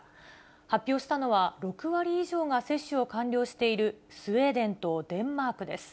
発表したのは、６割以上が接種を完了しているスウェーデンとデンマークです。